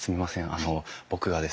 あの僕がですね